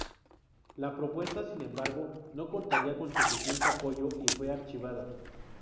La propuesta, sin embargo, no contaría con suficiente apoyo y fue archivada.